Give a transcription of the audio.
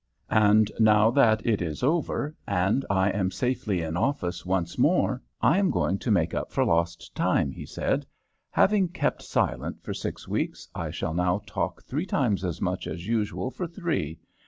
"And now that it is over, and I am safely in office once more, I am going to make up for lost time," he said. "Having kept silent for six weeks, I shall now talk three times as much as usual for three.